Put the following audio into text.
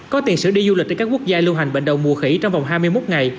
có tiền sử đi du lịch từ các quốc gia lưu hành bệnh đầu mùa khỉ trong vòng hai mươi một ngày